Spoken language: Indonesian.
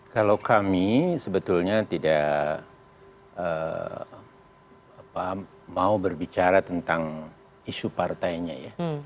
kalau kami sebetulnya tidak mau berbicara tentang isu partainya ya